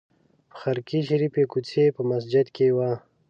په خرقې شریفې کوڅې په مسجد کې وه.